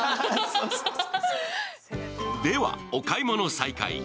では、お買い物再開。